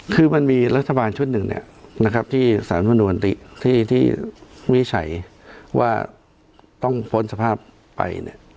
คือมันมีรัฐบาลชุดหนึ่งเนี่ยที่สามนุติพิชัยว่าต้องพ้นสภาพไปเนี่ย